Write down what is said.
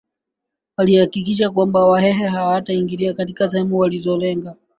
walihakikisha kwamba wahehe hawataingilia katika sehemu walizolenga